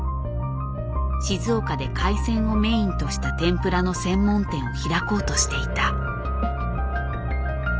静岡で海鮮をメインとした天ぷらの専門店を開こうとしていた。